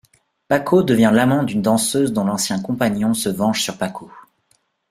Paco devient l'amant d'une danseuse dont l'ancien compagnon se venge sur Paco.